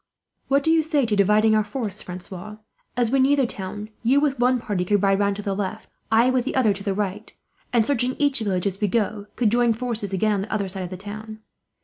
"What do you say to dividing our force, Francois? As we near the town, you with one party could ride round to the left, I with the other to the right and, searching each village as we go, could join forces again on the other side of the town.